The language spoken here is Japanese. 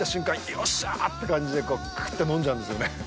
よっしゃーって感じでクーっと飲んじゃうんですよね。